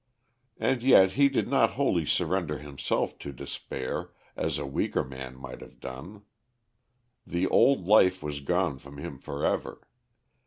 And yet he did not wholly surrender himself to despair, as a weaker man might have done. The old life was gone from him forever.